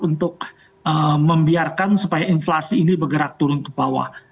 untuk membiarkan supaya inflasi ini bergerak turun ke bawah